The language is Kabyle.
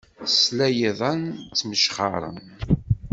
Tesla i yiḍan ttmejxaren.